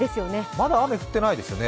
まだ雨降ってないですよね。